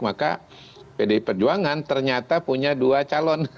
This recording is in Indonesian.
maka pdi perjuangan ternyata punya dua calon